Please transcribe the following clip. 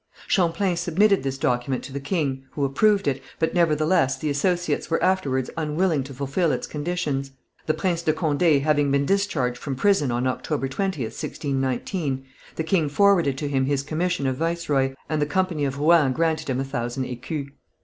Champlain submitted this document to the king, who approved it, but nevertheless the associates were afterwards unwilling to fulfil its conditions. The Prince de Condé having been discharged from prison on October 20th, 1619, the king forwarded to him his commission of viceroy, and the Company of Rouen granted him a thousand écus.